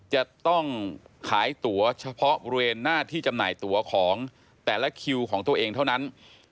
จะต้องขายตัวเฉพาะบริเวณหน้าที่จำหน่ายตัวของแต่ละคิวของตัวเองเท่านั้น